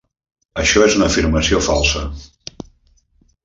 Això és una afirmació falsa.